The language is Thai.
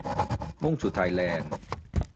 มุ่งสู่ไทยแลนด์